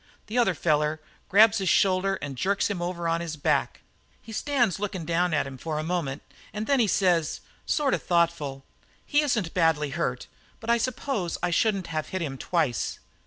The other feller grabs his shoulder and jerks him over on his back. "He stands lookin' down at him for a moment, and then he says, sort of thoughtful: 'He isn't badly hurt, but I suppose I shouldn't have hit him twice.'